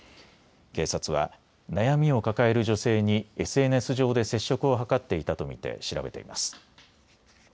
警察は悩みを抱える女性にＳＮＳ上で接触を図っていたと見て調べています。